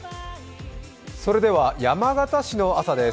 それでは山形市の朝です。